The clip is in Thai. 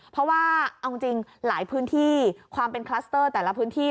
เพราะว่าเอาจริงหลายพื้นที่ความเป็นคลัสเตอร์แต่ละพื้นที่